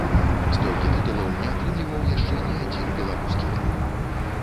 Столькі тытулаў не атрымліваў яшчэ ні адзін беларускі кліп.